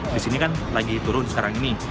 di sini kan lagi turun sekarang ini